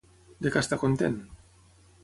De què està content?